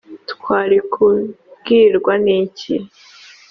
twari kubwirwa n’iki?